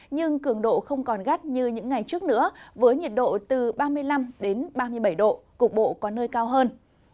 nhưng cường độ không còn gắt như những ngày trước nữa với nhiệt độ từ ba mươi năm ba mươi bảy độ cục bộ có nơi cao hơn